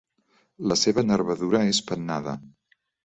La seva nervadura és pennada.